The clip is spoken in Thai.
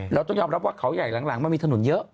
เราต้องยอมรับว่าเขาใหญ่หลังมันมีถนนเยอะ